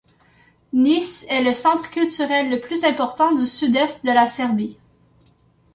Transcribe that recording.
Niš est le centre culturel le plus important du sud-est de la Serbie.